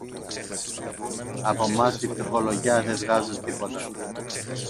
Από μας τη φτωχολογιά δε βγάζουν τίποτα.